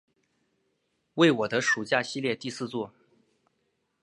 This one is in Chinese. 为我的暑假系列第四作。